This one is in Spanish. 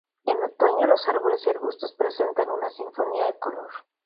En otoño los árboles y arbustos presentan una sinfonía de color.